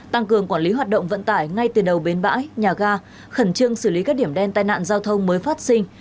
tăng cường quản lý hoạt động vận tải ngay từ đầu bến bãi nhà ga khẩn trương xử lý các điểm đen tai nạn giao thông mới phát sinh